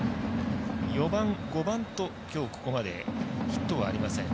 ４番、５番と、きょうここまでヒットはありません。